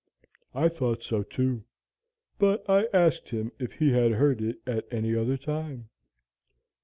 "I thought so, too, but I asked him if he had heard it at any other time.